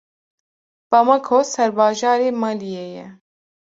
Bamako serbajarê Maliyê ye.